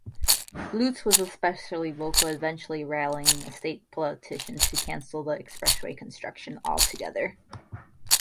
Lutz was especially vocal, eventually rallying state politicians to cancel the expressway construction altogether.